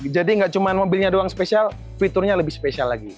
jadi nggak cuma mobilnya doang spesial fiturnya lebih spesial lagi